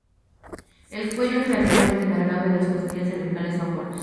El cuello es relativamente alargado y las costillas cervicales son cortas.